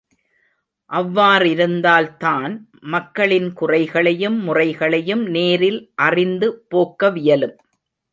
அவ்வாறிருந்தால்தான், மக்களின் குறைகளையும், முறைகளையும் நேரில் அறிந்து போக்கவியலும்.